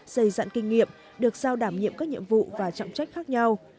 dày dạn kinh nghiệm được giao đảm nhiệm các nhiệm vụ và trọng trách khác nhau